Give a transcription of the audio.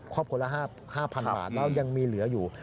ครอบครัวละ๕๐๐๐บาทแล้วยังมีเหลืออยู่